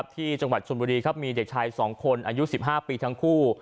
ที่จังหวัดชนบุรีครับมีเด็กชาย๒คนอายุ๑๕ปีทั้งคู่